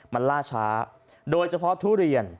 มันล่าช้าโดยเฉพาะทุเรียน